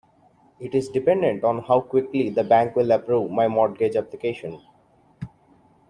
It is dependent on how quickly the bank will approve my mortgage application.